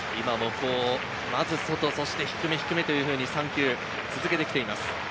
まず外、そして低め、低めと、３球続けてきています。